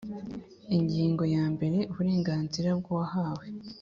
Ingingo yambere Uburenganzira bw uwahawe